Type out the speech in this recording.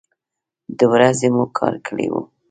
د ورځې مو کار کړی و.